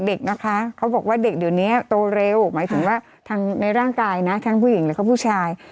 เด็กเดี๋ยวนี้โตเร็วหมายถึงว่าทั้งในร่างกายนะทั้งผู้หญิงแล้วก็ผู้ชาย